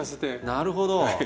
なるほど。